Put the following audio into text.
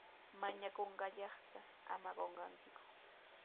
Mañakullanqaata ama qunqakiku.